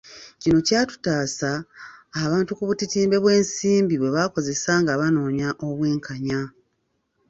Kino kyakutaasa abantu ku butitimbe bw'ensimbi bwe bakozesa nga banoonya obwenkanya